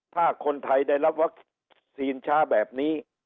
ถ้าคนไทยได้รับวัคซีนช้าแบบนี้